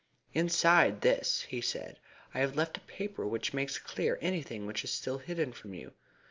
"Inside this," he said, "I have left a paper which makes clear anything which is still hidden from you.